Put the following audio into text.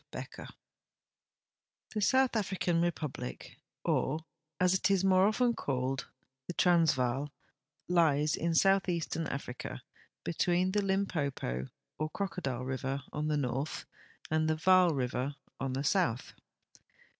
Becker, United States Geological Survey The South African Republic, or, as it is more often called, The Transvaal, lies in southeastern Africa, between the Limpopo or Crocodile river on the north and the Vaal river on the south.